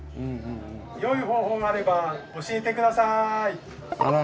よい方法があれば教えて下さい。